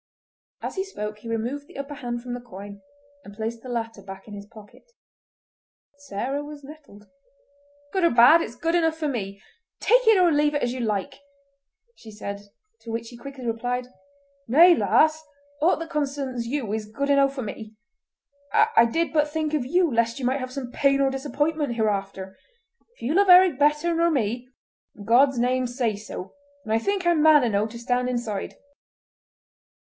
As he spoke he removed the upper hand from the coin and placed the latter back in his pocket. Sarah was nettled. "Good or bad, it's good enough for me! Take it or leave it as you like," she said, to which he replied quickly: "Nay lass! Aught that concerns you is good enow for me. I did but think of you lest you might have pain or disappointment hereafter. If you love Eric better nor me, in God's name say so, and I think I'm man enow to stand aside.